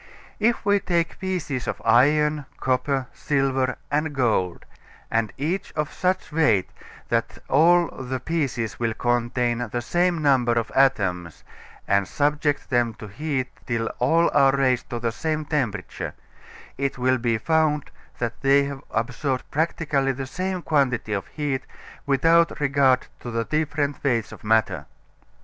If we take pieces of iron, copper, silver and gold, each of such weight as that all the pieces will contain the same number of atoms, and subject them to heat till all are raised to the same temperature, it will be found that they have all absorbed practically the same quantity of heat without regard to the different weights of matter.